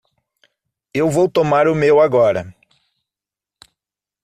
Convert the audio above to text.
Eu vou tomar o meu agora.